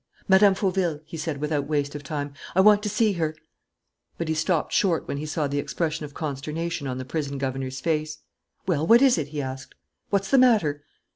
"Mme. Fauville," he said, without waste of time. "I want to see her " But he stopped short when he saw the expression of consternation on the prison governor's face. "Well, what is it?" he asked. "What's the matter?"